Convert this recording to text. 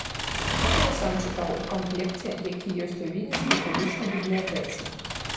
Гэта я сам чытаў у камплекце, які ёсць у віленскай публічнай бібліятэцы.